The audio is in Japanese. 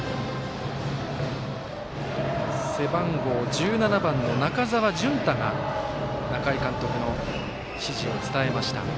背番号１７番の中澤惇太が仲井監督の指示を伝えました。